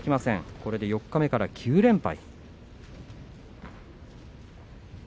これで四日目から９連敗。